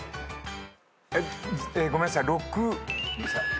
ごめんなさい６。